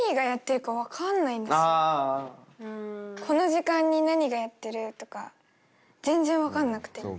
この時間に何がやってるとか全然分かんなくて。